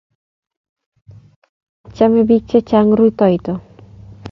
chomei pik chechang rutoito